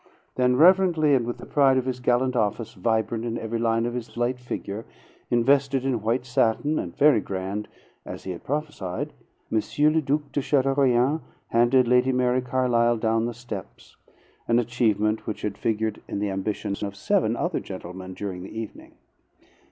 Then reverently and with the pride of his gallant office vibrant in every line of his slight figure, invested in white satin and very grand, as he had prophesied, M. le Duc de Chateaurien handed Lady Mary Carlisle down the steps, an achievement which had figured in the ambitions of seven other gentlemen during the evening.